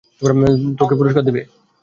তোকে পুরস্কার দিবে?